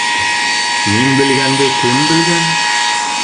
Мин белгәнде кем белгән?